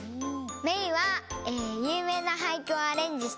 メイはゆうめいなはいくをアレンジしたいです。